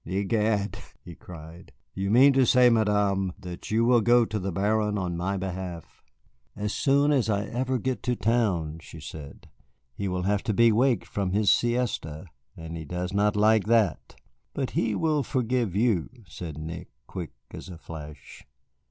"Egad," he cried, "do you mean to say, Madame, that you will go to the Baron on my behalf?" "As soon as I ever get to town," she said. "He will have to be waked from his siesta, and he does not like that." "But he will forgive you," said Nick, quick as a flash.